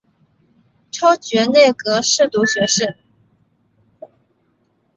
超擢内阁侍读学士。